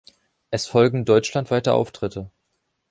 Es folgen deutschlandweite Auftritte.